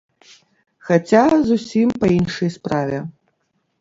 Хаця зусім па іншай справе.